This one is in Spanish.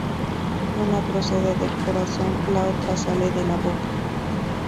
Una procede del corazón; la otra sale de la boca.